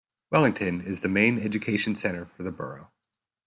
Wellington is the main education centre for the borough.